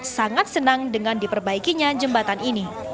sangat senang dengan diperbaikinya jembatan ini